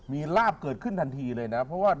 มีลาบเกิดขึ้นทันทีเลยนะเพราะว่า